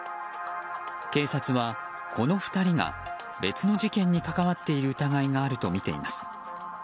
警察はこの２人が別の事件に関わっている疑いがあるとみています。